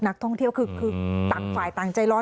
นักท่องเที่ยวคือต่างฝ่ายต่างใจร้อน